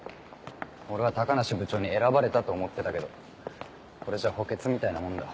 俺は高梨部長に選ばれたと思ってたけどこれじゃ補欠みたいなもんだ。